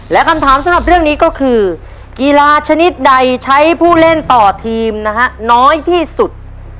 และคำถามสำหรับเรื่องนี้ก็คือกีฬาชนิดใดใช้ผู้เล่นต่อทีมนะฮะน้อยที่สุด